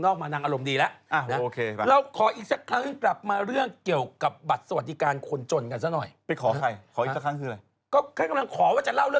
คุณก็นั่งดูไปแล้วก็อย่างเนี้ยเราก็ด้านนี้นั่งดูไปก็เราก็พูดไป